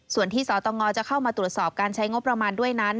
ส่วนที่สตงจะเข้ามาตรวจสอบการใช้งบประมาณด้วยนั้น